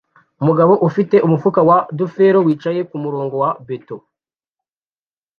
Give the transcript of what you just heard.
Umugabo ufite umufuka wa duffel wicaye kumurongo wa beto